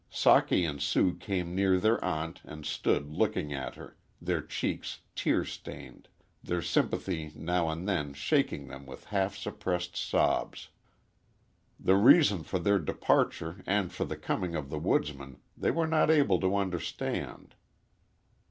Socky and Sue came near their aunt and stood looking at her, their cheeks tear stained, their sympathy now and then shaking them with half suppressed sobs. The reason for their departure and for the coming of the woodsmen they were not able to understand.